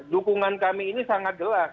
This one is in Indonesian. dukungan kami ini sangat jelas